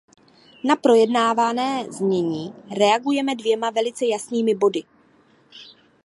Na projednávané znění reagujeme dvěma velice jasnými body.